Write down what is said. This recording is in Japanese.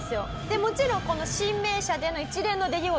もちろんこの神明社での一連の出来事